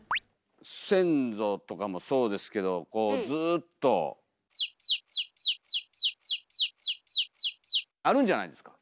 先祖とかもそうですけどこうずっとあるんじゃないですか。